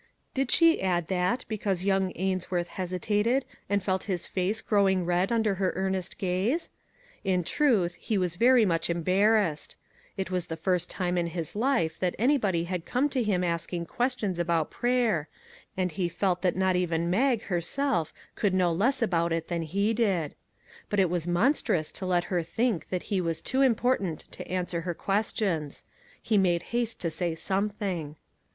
Did she add that, because young Ainsworth hesitated, and felt his face growing red under her earnest gaze? In truth, he was very much 62 "I'LL DO MY VERY BEST" embarrassed. It was the first time in his life that anybody had come to him asking questions about prayer, and he felt that not even Mag her self could know less about it than he did. But it was monstrous to let her think that he was too important to answer her questions. He made haste to say something.